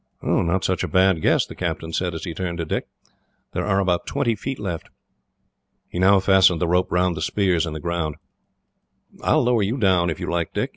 "Not such a bad guess," the captain said, as he turned to Dick. "There are about twenty feet left." He now fastened the rope round the spears in the ground. "I will lower you down, if you like, Dick.